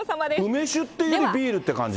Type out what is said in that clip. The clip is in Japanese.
梅酒っていうよりビールって感じ？